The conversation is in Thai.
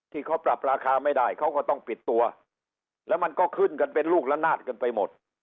ที่เขาปรับราคาไม่ได้เขาก็ต้องปิดตัวแล้วมันก็ขึ้นกันเป็นลูกละนาดกันไปหมด